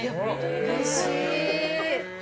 うれしい。